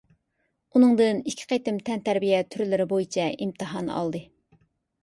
ئۇنىڭدىن ئىككى قېتىم تەنتەربىيە تۈرلىرى بويىچە ئىمتىھان ئالدى.